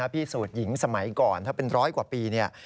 พิสูจน์หญิงสมัยก่อนถ้าเป็นร้อยกว่าปีเนี่ย